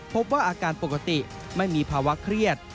พบว่าอาการปกติไม่มีภาวะเครียด